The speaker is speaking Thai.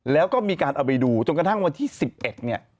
แล้วก็มีการเอาไปดูจนกระทั่งวันที่๑๑เนี่ย